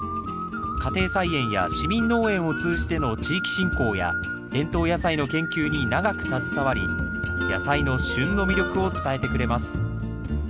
家庭菜園や市民農園を通じての地域振興や伝統野菜の研究に長く携わり野菜の旬の魅力を伝えてくれます